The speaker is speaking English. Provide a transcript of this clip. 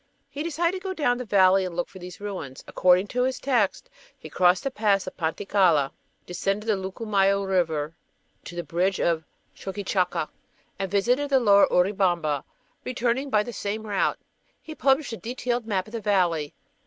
He decided to go down the valley and look for these ruins. According to his text he crossed the Pass of Panticalla, descended the Lucumayo River to the bridge of Choqquechacca, and visited the lower Urubamba, returning by the same route. He published a detailed map of the valley.